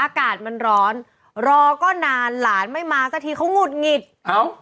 อากาศมันร้อนรอก็นานหลานไม่มาสักทีเขาหุดหงิดเอ้า